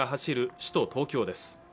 首都東京です